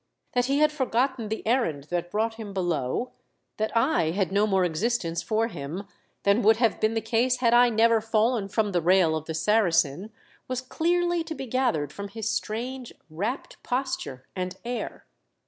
That he had forgotten the errand that brought him below, that I had no more existence for him than would have been the case had I never fallen from the rail of the Saracen, was clearly to be gathered from his strange rapt posture and air.